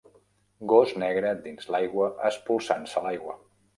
Gos negre dins l'aigua espolsant-se l'aigua.